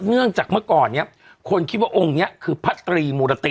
เนื่องจากเมื่อก่อนเนี่ยคนคิดว่าองค์นี้คือพระตรีมูรติ